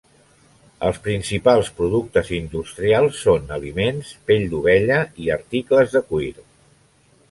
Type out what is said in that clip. Els principals productes industrials són aliments, pell d'ovella i articles de cuir.